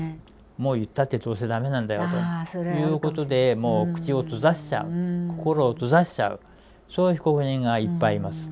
もう言ったってどうせ駄目なんだよということでもう口を閉ざしちゃう心を閉ざしちゃうそういう被告人がいっぱいいます。